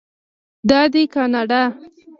دا دی کاناډا.